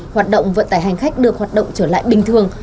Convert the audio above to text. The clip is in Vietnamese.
hoạt động vận tải hành khách được hoạt động trở lại bình thường